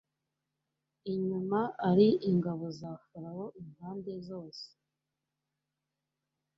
inyuma ari ingabo za Farawo impande zose